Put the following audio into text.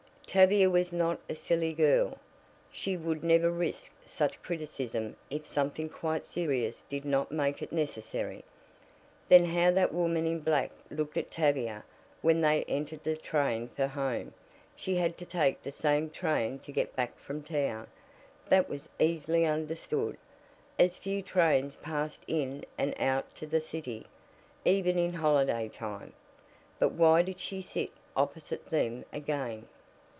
Tavia was not a silly girl she would never risk such criticism if something quite serious did not make it necessary. Then how that woman in black looked at Tavia when they entered the train for home! She had to take the same train to get back from town; that was easily understood, as few trains passed in and out to the city, even in holiday time. But why did she sit opposite them again?